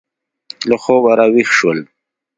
له خوبه را ویښ شول.